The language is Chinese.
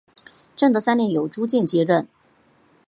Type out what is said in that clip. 正德三年由朱鉴接任。